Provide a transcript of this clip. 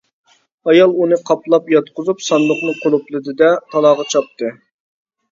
ئايال ئۇنى قاپلاپ ياتقۇزۇپ ساندۇقنى قۇلۇپلىدى-دە، تالاغا چاپتى.